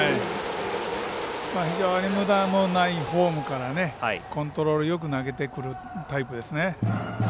非常にむだのないフォームからコントロールよく投げてくるタイプですね。